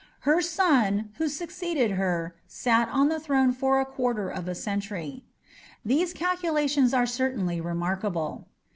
Her son, who succeeded her, sat on the throne for a quarter of a century. These calculations are certainly remarkable.